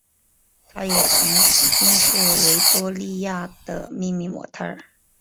她也曾经是维多利亚的秘密的模特儿。